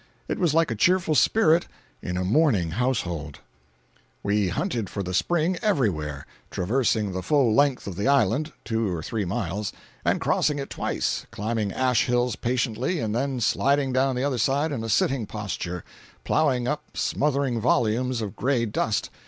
It was like a cheerful spirit in a mourning household. 271.jpg (56K) We hunted for the spring everywhere, traversing the full length of the island (two or three miles), and crossing it twice—climbing ash hills patiently, and then sliding down the other side in a sitting posture, plowing up smothering volumes of gray dust.